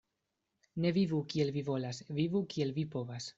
Ne vivu kiel vi volas, vivu kiel vi povas.